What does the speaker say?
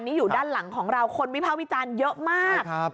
นี่อยู่ด้านหลังของเราคนวิภาควิจารณ์เยอะมาก